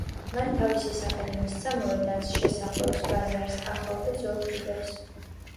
მან თავისი სახელი მისცა მოედანს, შესახვევს, ბაზარს, ახალ და ძველ ხიდებს.